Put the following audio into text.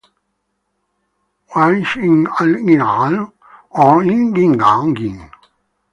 嘩，聽落好似好複雜，唔知學唔學得識呢。